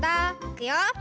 いくよ。